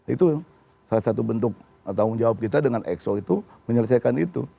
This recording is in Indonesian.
itu salah satu bentuk tanggung jawab kita dengan exo itu menyelesaikan itu